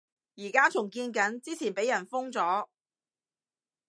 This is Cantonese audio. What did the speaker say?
而家重建緊，之前畀人封咗